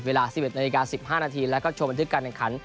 เวลา๑๑นาฬิกา๑๕นาทีแล้วก็โชว์บันทึกกัน